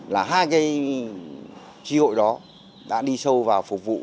là hai cái tri hội đó đã đi sâu vào phục vụ